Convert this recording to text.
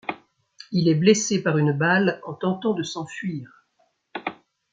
Il est blessé par une balle en tentant de s'enfuir.